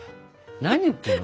何言ってるの？